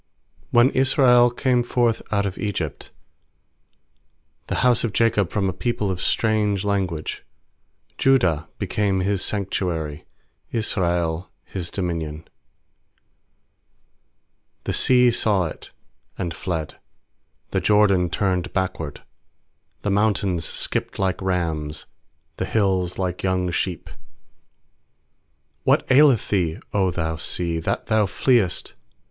When Israel came forth out of Egypt, The house of Jacob from a people of strange language; 2Judah became His sanctuary, Israel His dominion. 3The sea saw it, and fled; The Jordan turned backward. 4The mountains skipped like rams, The hills like young sheep* 8What aileth thee, 0 thou sea, that thou fleest?